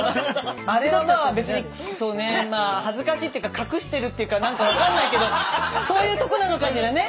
あれはまあ別にそうね恥ずかしいっていうか隠してるっていうか何か分かんないけどそういうとこなのかしらね？